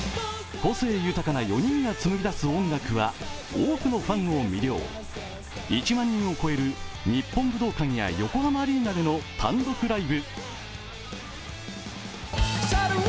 個性豊かな４人がつむぎ出す音楽は多くのファンを魅了、１万人を超える日本武道館や横浜アリーナでの単独ライブ。